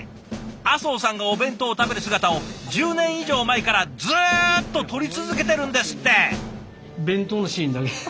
阿相さんがお弁当を食べる姿を１０年以上前からずっと撮り続けてるんですって！